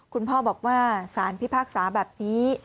คุณพ่อบอกว่าสารพิพากษาแบบนี้